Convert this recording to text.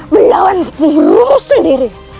berlawan buru sendiri